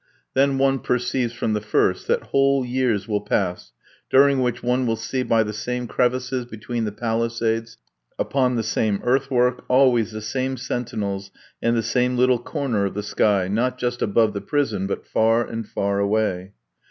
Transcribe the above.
Then one perceives from the first, that whole years will pass during which one will see by the same crevices between the palisades, upon the same earthwork, always the same sentinels and the same little corner of the sky, not just above the prison, but far and far away.